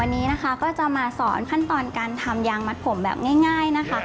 วันนี้นะคะก็จะมาสอนขั้นตอนการทำยางมัดผมแบบง่ายนะคะ